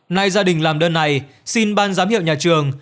nay gia đình làm đơn này xin ban giám hiệu nhà trường